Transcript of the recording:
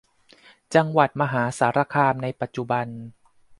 จังหวัดมหาสารคามในปัจจุบัน